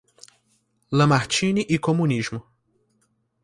Lamartine e Comunismo